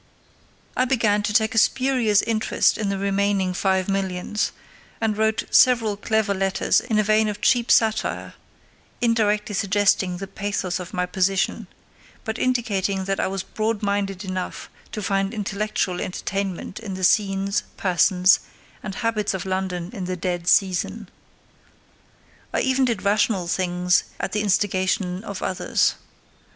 I began to take a spurious interest in the remaining five millions, and wrote several clever letters in a vein of cheap satire, indirectly suggesting the pathos of my position, but indicating that I was broad minded enough to find intellectual entertainment in the scenes, persons, and habits of London in the dead season. I even did rational things at the instigation of others.